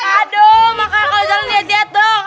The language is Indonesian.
aduh makanya kalau jalan lihat lihat dong